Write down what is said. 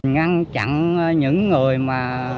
ngăn chặn những người mà